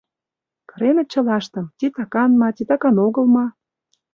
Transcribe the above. Кыреныт чылаштым — титакан ма, титакан огыл ма...